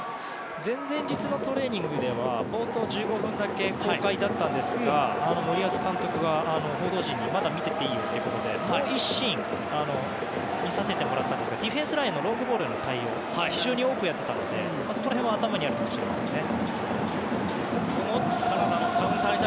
前々日のトレーニングでは冒頭１５分だけ公開だったんですが森保監督が報道陣にまだ見ていていいということでもう１シーン見させてもらったんですがディフェンスラインのロングボールへの対応を非常に多くやっていたのでその辺りが頭にあるのかもしれないですね。